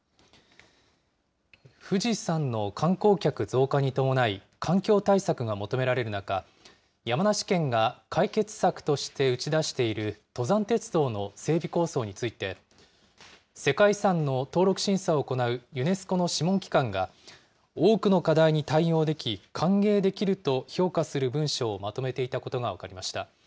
富士山の観光客増加に伴い、環境対策が求められる中、山梨県が解決策として打ち出している登山鉄道の整備構想について、世界遺産の登録審査を行うユネスコの諮問機関が、多くの課題に対応でき、歓迎できると評価する文書をまとめていたことが分かりました。